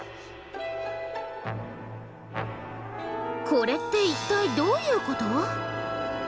これって一体どういうこと？